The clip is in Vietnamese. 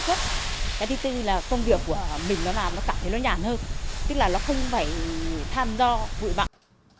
cái thứ tư là công việc của mình nó làm nó cảm thấy nó nhàn hơn tức là nó không phải tham do vụ bạo